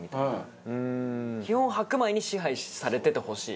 基本白米に支配されててほしい。